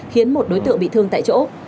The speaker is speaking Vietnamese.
khiến một đối tượng bị thương tại chỗ